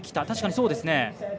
確かにそうですね。